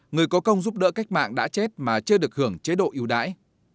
người có công giúp đỡ cách mạng đã chết mà chưa được hưởng chế độ yếu đải